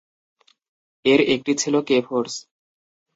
এর একটি ছিল ‘কে’ ফোর্স।